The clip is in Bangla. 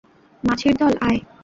মাছির দল, আয়!